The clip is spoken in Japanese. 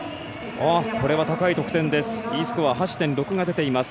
これは高い得点です。